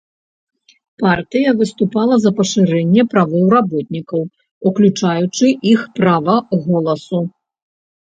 Партыя выступала за пашырэнне правоў работнікаў, уключаючы іх права голасу.